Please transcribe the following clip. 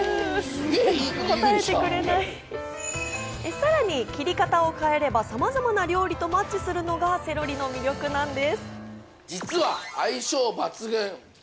さらに切り方を変えれば、様々な料理とマッチするのがセロリの魅力なんです。